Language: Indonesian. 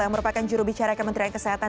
yang merupakan jurubicara kementerian kesehatan